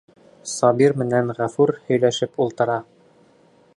Сабир менән Ғәфүр һөйләшеп ултыра.